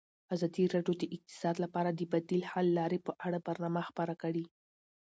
ازادي راډیو د اقتصاد لپاره د بدیل حل لارې په اړه برنامه خپاره کړې.